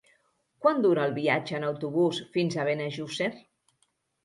Quant dura el viatge en autobús fins a Benejússer?